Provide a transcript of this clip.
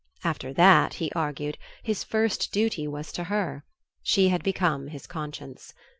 After that, he argued, his first duty was to her she had become his conscience.